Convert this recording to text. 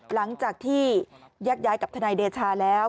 หลังจากที่แยกย้ายกับทนายเดชาแล้ว